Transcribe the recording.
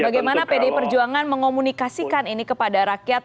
bagaimana pdi perjuangan mengomunikasikan ini kepada rakyat